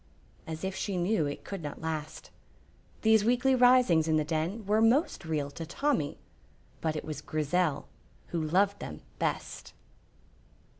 as if she knew it could not last. These weekly risings in the Den were most real to Tommy, but it was Grizel who loved them best.